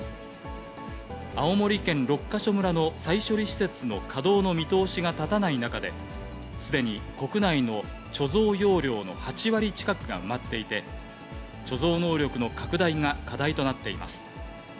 青森県六ケ所村の再処理施設の稼働の見通しが立たない中で、すでに国内の貯蔵容量の８割近くが埋まっていて、貯蔵能力の拡大が課題となっています。